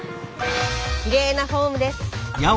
きれいなフォームです。